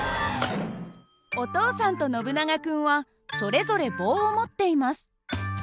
お父さんとノブナガ君はそれぞれ棒を持っています。